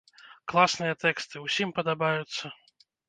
Класныя тэксты, усім падабаюцца!